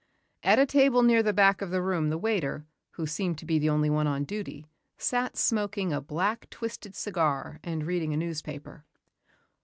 At a table near the back of the room the waiter, who seemed to be the only one on duty, sat smoking a black twisted cigar and reading a newspaper.